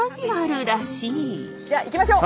じゃあ行きましょう！